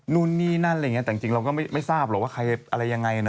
นู่นนี่นั่นอะไรอย่างนี้แต่จริงเราก็ไม่ทราบหรอกว่าใครอะไรยังไงนะ